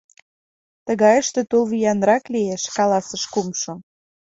Тыгайыште тул виянрак лиеш! — каласыш кумшо.